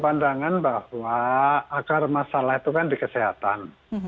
pandangan bahwa akar masalah itu kan di kesehatan